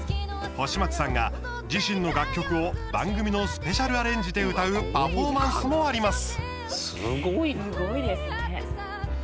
星街さんが、自身の楽曲を番組のスペシャルアレンジで歌うパフォーマンスもあります。